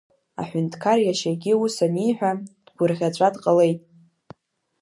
Аҳәынҭқар иашьагьы ус аниаҳа, дгәырӷьаҵәа дҟалеит.